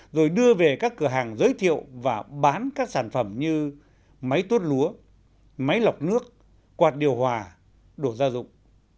rồi đưa về các cửa hàng giới thiệu và bán các sản phẩm như máy tuốt lúa máy lọc nước quạt điều hòa đồ gia dụng